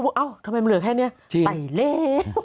พวกเอ้าทำไมมันเหลือแค่นี้ไปแล้ว